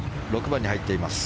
６番に入っています。